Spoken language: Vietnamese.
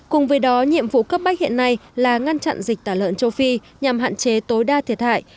cùng với đó nhiệm vụ cấp bách hiện nay là ngăn chặn dịch tả lợn châu phi nhằm hạn chế tối đa thiệt hại